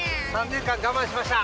３年間我慢しました。